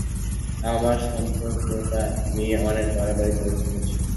আমরা সম্পর্কটা নিয়ে অনেক বাড়াবাড়ি করে ফেলেছি।